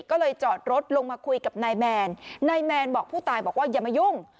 ก็เลยจอดรถลงมาคุยกับนายแมนนายแมนบอกผู้ตายบอกว่าอย่ามายุ่ง